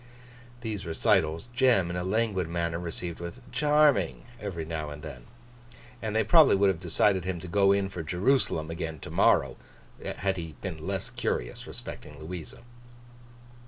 These recitals, Jem, in a languid manner, received with 'charming!' every now and then; and they probably would have decided him to 'go in' for Jerusalem again to morrow morning, had he been less curious respecting Louisa.